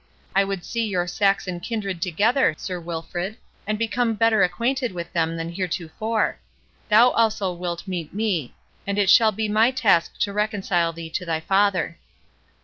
I would see your Saxon kindred together, Sir Wilfred, and become better acquainted with them than heretofore. Thou also wilt meet me; and it shall be my task to reconcile thee to thy father."